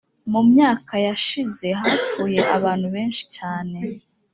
Mumyaka yashize hapfuye abantu benshi cyane